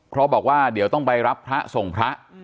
เพราะบอกว่าเดี๋ยวต้องไปรับพระส่งพระ